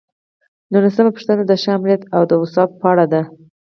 نولسمه پوښتنه د ښه آمریت د اوصافو په اړه ده.